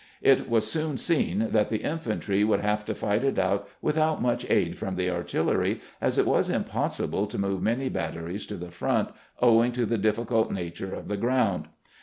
It was soon seen that the infantry would have to fight it out without much aid from the artillery, as it was impossible to move many batteries to the front, owing to the difficult nature of the ground.